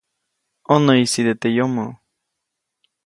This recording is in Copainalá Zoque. ʼÕnäyʼisite teʼ yomoʼ.